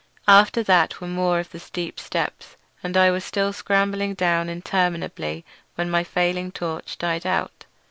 After that were more of the steep steps, and I was still scrambling down interminably when my failing torch died out.